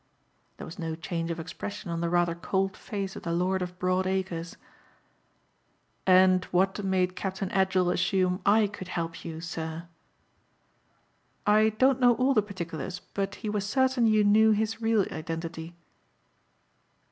There was no change of expression on the rather cold face of the lord of broad acres. "And what made Captain Edgell assume I could help you, sir?" "I don't know all the particulars but he was certain you knew his real identity."